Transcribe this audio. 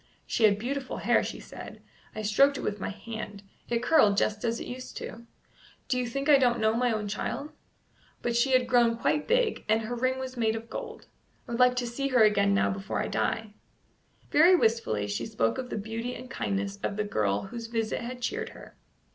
"She had beautiful hair," she said; "I stroked it with my hand; it curled just as it used to do. Do you think I don't know my own child? But she had grown quite big, and her ring was made of gold. I would like to see her again now before I die." Very wistfully she spoke of the beauty and kindness of the girl whose visit had cheered her.